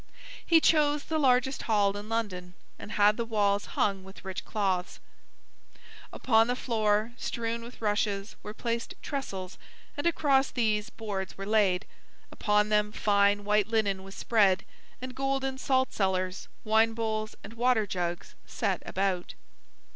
He chose the largest hall in London, and had the walls hung with rich cloths. Upon the floor, strewn with rushes, were placed trestles, and across these, boards were laid. Upon them fine white linen was spread, and golden saltcellars, wine bowls, and water jugs set about.